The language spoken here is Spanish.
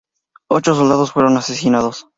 Ocho soldados fueron asesinados.